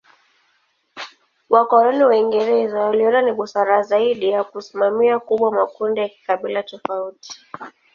Wakoloni Waingereza waliona ni busara zaidi ya kusimamia kubwa makundi ya kikabila tofauti.